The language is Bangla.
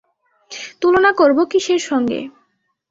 তুলনা করব কিসের সঙ্গে।